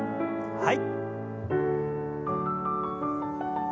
はい。